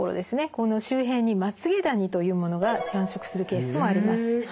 この周辺にまつげダニというものが繁殖するケースもあります。